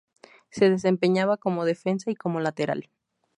Se desempeñaba como defensa y como lateral.